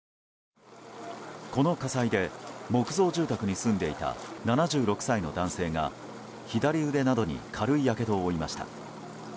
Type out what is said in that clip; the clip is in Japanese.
この火災で木造住宅に住んでいた７６歳の男性が左腕などに軽いやけどを負いました。